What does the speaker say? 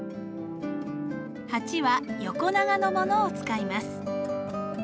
鉢は横長のものを使います。